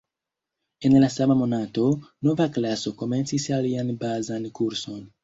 En la sama monato, nova klaso komencis alian bazan kurson.